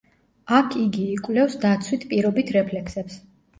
აქ იგი იკვლევს დაცვით პირობით რეფლექსებს.